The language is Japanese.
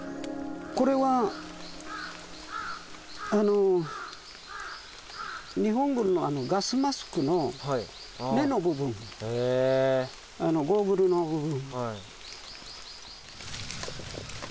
これは日本軍のガスマスクの目の部分、ゴーグルの部分。